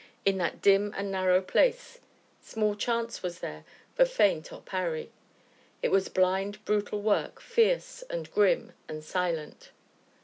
In that dim and narrow place small chance was there for feint or parry; it was blind, brutal work, fierce, and grim, and silent.